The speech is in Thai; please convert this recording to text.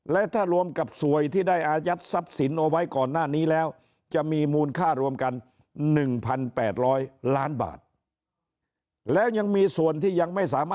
และถ้ารวมกับสวยที่ได้อาจัดศัพท์ศิลป์เอาไว้ก่อนหน้านี้แล้ว